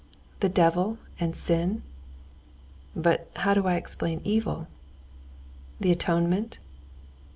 The devil and sin. But how do I explain evil?... The atonement?...